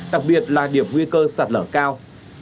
đặc biệt là điểm nguy cơ sạt lở cao